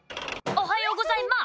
おはようございます！